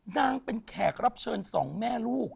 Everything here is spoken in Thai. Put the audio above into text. นางเป็นแขกรับเชิญสองแม่ลูก